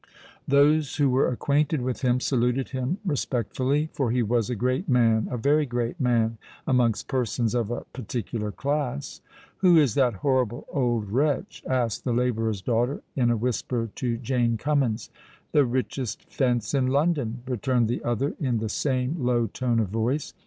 Those who were acquainted with him saluted him respectfully; for he was a great man—a very great man—amongst persons of a particular class. "Who is that horrible old wretch?" asked the labourer's daughter, in a whisper to Jane Cummins. "The richest fence in London," returned the other in the same low tone of voice.